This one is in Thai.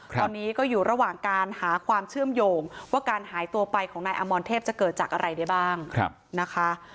ตอนนี้ก็อยู่ระหว่างการหาความเชื่อมโยงว่าการหายตัวไปของนายอมรเทพจะเกิดจากอะไรได้บ้างนะคะ